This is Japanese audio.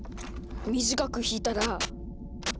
短く弾いたら。